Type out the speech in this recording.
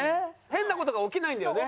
変な事が起きないんだよね。